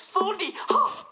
「はっ！